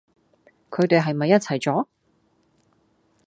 佢地係咪一齊咗？